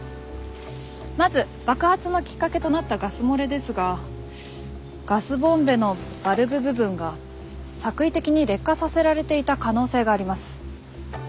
まず爆発のきっかけとなったガス漏れですがガスボンベのバルブ部分が作為的に劣化させられていた可能性があります。